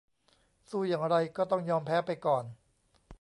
สู้อย่างไรก็ต้องยอมแพ้ไปก่อน